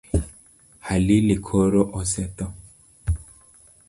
Halili koro osetho.